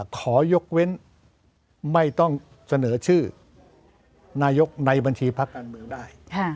ขอยกเว้นไม่ต้องเสนอชื่อนายกในบัญชีพักการเมืองได้